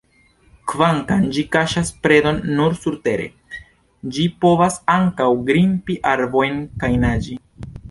Kvankam ĝi ĉasas predon nur surtere, ĝi povas ankaŭ grimpi arbojn kaj naĝi.